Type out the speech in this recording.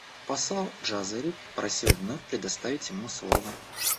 Посол Джазайри просил вновь предоставить ему слово.